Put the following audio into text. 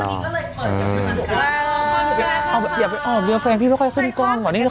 เอออ่าอยากไปเอานึกว่าแฟนพี่ไม่ค่อยขึ้นกล้องอ่ะนี่คือ